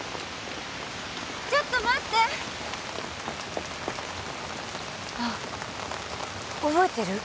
ちょっと待ってあっ覚えてる？